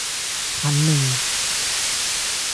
ພັນນຶ່ງ